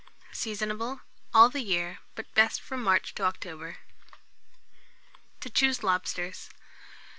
Seasonable all the year, but best from March to October. TO CHOOSE LOBSTERS.